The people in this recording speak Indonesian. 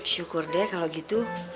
syukur deh kalau gitu